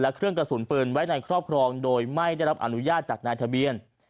และเครื่องกระสุนปืนไว้ในครอบครองโดยไม่ได้รับอนุญาตจากนายทะเบียน